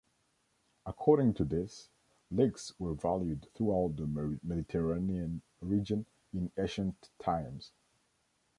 According to this, leeks were valued throughout the Mediterranean region in ancient times.